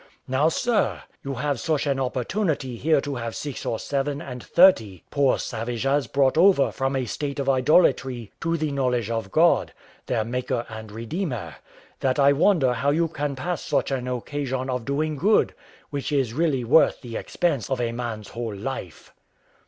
Now, sir, you have such an opportunity here to have six or seven and thirty poor savages brought over from a state of idolatry to the knowledge of God, their Maker and Redeemer, that I wonder how you can pass such an occasion of doing good, which is really worth the expense of a man's whole life."